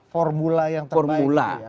formula yang terbaik